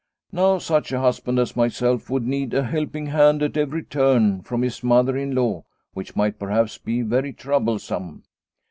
Now such a husband as myself would need a helping hand at every turn from his mother in law, which might perhaps be very troublesome.